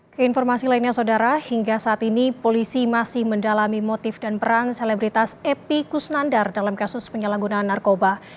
keinformasi lainnya saudara hingga saat ini polisi masih mendalami motif dan peran selebritas epi kusnandar dalam kasus penyalahgunaan narkoba